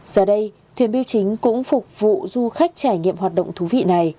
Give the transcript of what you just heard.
giờ đây thuyền biêu chính cũng phục vụ du khách trải nghiệm hoạt động thú vị này